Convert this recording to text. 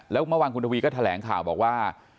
แล้วเมื่อวานคุณทวีก็แถลงข่าวบอกว่า